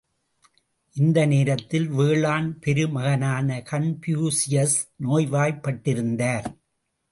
இந்த நேரத்தில் வேளாண் பெருமகனான கன்பூசியஸ் நோய்வாய்ப்பட்டிருந்தார்.